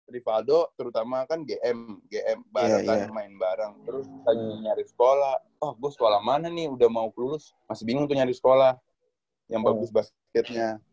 rivaldo terutama kan gm gm bareng kan main bareng terus tadi nyari sekolah oh gue sekolah mana nih udah mau kelulus masih bingung tuh nyari sekolah yang bagus basketnya